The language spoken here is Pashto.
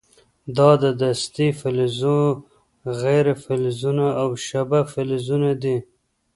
دا دستې فلزونه، غیر فلزونه او شبه فلزونه دي.